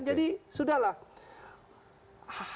jadi sudah lah